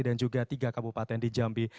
dan juga tiga kabupaten di jambi